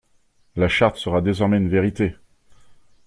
La Charte sera désormais une vérité!